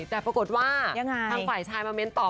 แต่ปรากฏว่าทางฝ่ายชายมาเน้นต่อ